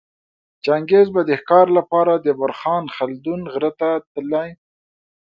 چنګیز به د ښکاره لپاره د برخان خلدون غره ته تلی